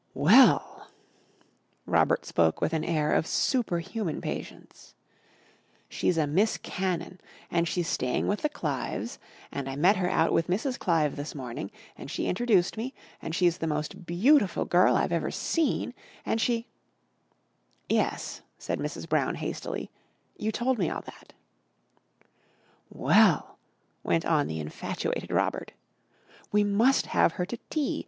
"Well," Robert spoke with an air of super human patience, "she's a Miss Cannon and she's staying with the Clives and I met her out with Mrs. Clive this morning and she introduced me and she's the most beautiful girl I've ever seen and she " "Yes," said Mrs. Brown hastily, "you told me all that." "Well," went on the infatuated Robert, "we must have her to tea.